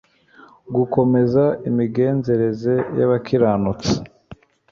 gukomeza imigenzereze yabakiranutsi